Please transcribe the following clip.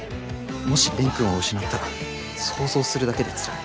もし蓮くんを失ったら想像するだけでつらい。